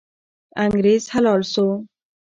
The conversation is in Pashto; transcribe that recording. انګریز حلال سو.